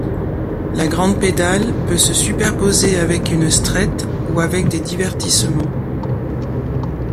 La grande pédale peut se superposer avec une strette ou avec des divertissements.